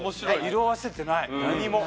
色あせてない何も。